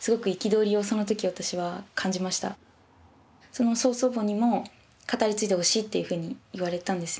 その曽祖母にも「語り継いでほしい」っていうふうに言われたんですね。